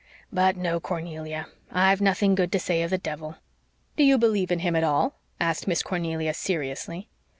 But no, Cornelia, I've nothing good to say of the devil." "Do you believe in him at all?" asked Miss Cornelia seriously.